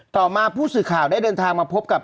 ต่อมาผู้สื่อข่าวได้เดินทางมาพบกับ